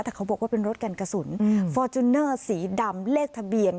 แต่เขาบอกว่าเป็นรถกันกระสุนฟอร์จูเนอร์สีดำเลขทะเบียน